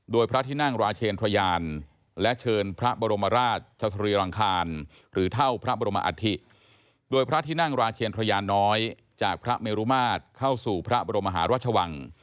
โดยพระที่นั่งราเชียนพระเยี่ยนน้อยจากพระเมรุมาตรเข้าสู่พระมหารัชสวัง